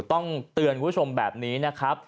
ต้องเตือนคุณผู้ชมแบบนี้นะครับ